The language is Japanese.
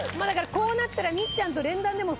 こうなったらみっちゃんと。